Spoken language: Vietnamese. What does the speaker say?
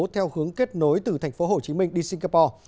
theo hướng kết nối từ tp hcm đi singapore